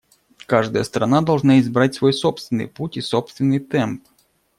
Каждая страна должна избрать свой собственный путь и собственный темп.